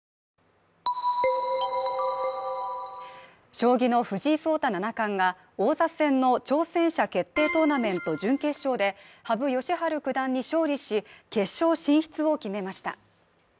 将棋の藤井聡太七冠が王座戦の挑戦者決定トーナメント準決勝で羽生善治九段に勝利し決勝進出を決めました。